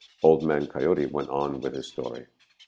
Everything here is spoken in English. Old Man Coyote went on with his story.